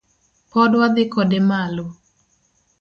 Pod wadhi kode malo